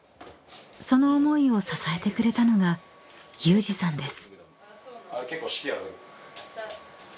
［その思いを支えてくれたのが有志さんです］